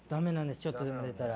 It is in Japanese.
ちょっとでも出たら。